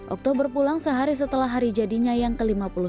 okto berpulang sehari setelah hari jadinya yang ke lima puluh satu